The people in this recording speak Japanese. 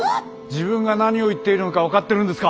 自分が何を言っているのか分かってるんですか？